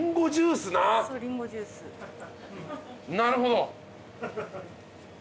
なるほど！